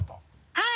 はい！